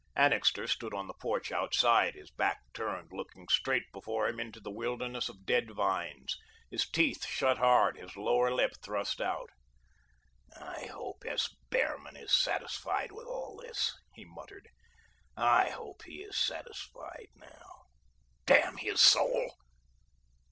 Annixter stood on the porch outside, his back turned, looking straight before him into the wilderness of dead vines, his teeth shut hard, his lower lip thrust out. "I hope S. Behrman is satisfied with all this," he muttered. "I hope he is satisfied now, damn his soul!"